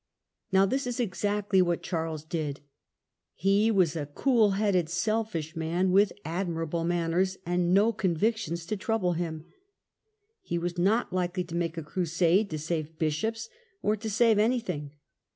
Now this is exactly what Charles did. He was a cool headed selfish man, with admirable manners, and no con Characterof victions to trouble him. He was not likely Charles. to make a crusade to save bishops, or to save anything.